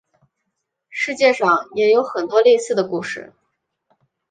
世界上也有很多类似的故事。